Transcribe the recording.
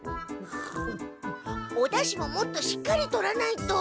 おだしももっとしっかりとらないと！